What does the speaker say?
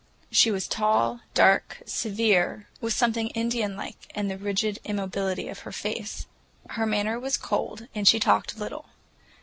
She was tall, dark, severe, with something Indian like in the rigid immobility of her face. Her manner was cold, and she talked little.